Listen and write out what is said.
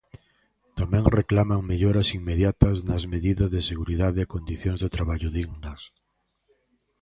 Tamén reclaman melloras inmediatas nas medidas de seguridade e condicións de traballo dignas.